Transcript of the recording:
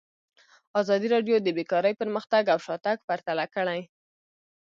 ازادي راډیو د بیکاري پرمختګ او شاتګ پرتله کړی.